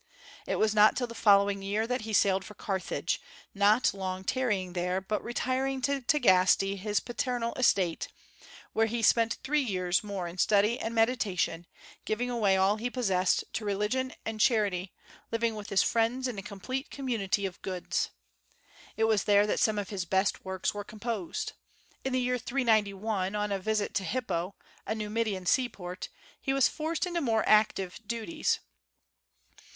It was not till the following year that he sailed for Carthage, not long tarrying there, but retiring to Tagaste, to his paternal estate, where he spent three years more in study and meditation, giving away all he possessed to religion and charity, living with his friends in a complete community of goods. It was there that some of his best works were composed. In the year 391, on a visit to Hippo, a Numidian seaport, he was forced into more active duties.